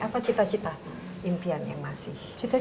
apa cita cita impian yang masih